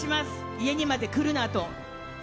家にまで来るなと。